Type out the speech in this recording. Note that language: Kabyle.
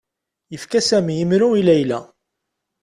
Yefka Sami imru i Layla.